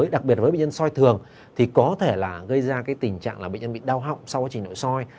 đặc biệt với bệnh nhân soi thường thì có thể là gây ra cái tình trạng là bệnh nhân bị đau họng sau quá trình nội soi